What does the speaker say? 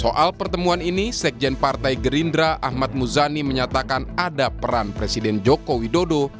soal pertemuan ini sekjen partai gerindra ahmad muzani menyatakan ada peran presiden joko widodo